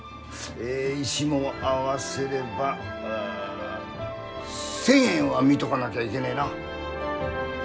え石も合わせればう１，０００円は見とかなきゃいけねえな。